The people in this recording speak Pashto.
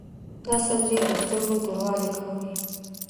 دا سبزی د سترګو توروالی کموي.